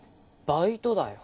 バイトだよ。